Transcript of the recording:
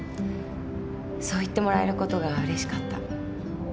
そう言ってもらえることがうれしかった。